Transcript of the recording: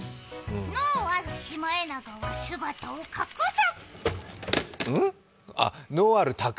能あるシマエナガは姿を隠す。